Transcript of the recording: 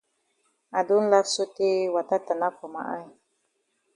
I don laf sotay wata tanap for ma eye.